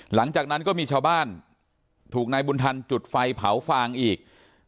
หลังจากนั้นก็มีชาวบ้านถูกนายบุญทันจุดไฟเผาฟางอีก